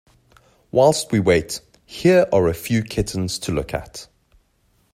Whilst we wait, here are a few kittens to look at.